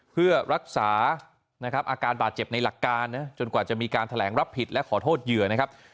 เพื่อรักษานะครับอาการบาดเจ็บในหลักการนะจนกว่าจะมีการแถลงรับผิดและขอโทษเหยื่อนะครับ